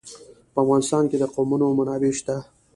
په افغانستان کې د قومونه منابع شته.